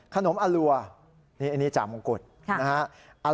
ขนมอรัวนี่อันนี้จ่ามงกุฎนะฮะ